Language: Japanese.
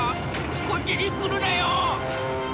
こっちに来るなよ！